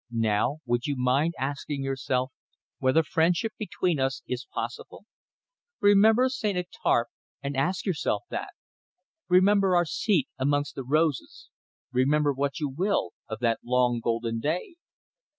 "Now would you mind asking yourself whether friendship between us is possible! Remember St. Étarpe, and ask yourself that! Remember our seat amongst the roses remember what you will of that long golden day."